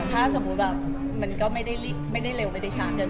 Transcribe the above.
ถ้าสมมุติแบบมันก็ไม่ได้เร็วไม่ได้ช้าเกิน